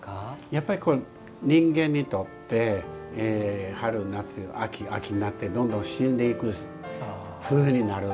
やっぱり、人間にとって春、夏、秋になってどんどん死んでいく、冬になる。